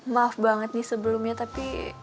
maaf banget nih sebelumnya tapi